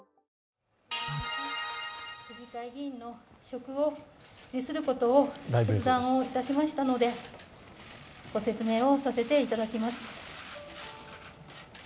都議会議員の職を辞することを決断いたしましたのでご説明をさせていただきます。